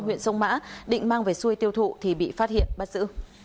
huyện sông mã định mang về xuôi tiêu thụ thì bị phát hiện bắt giữ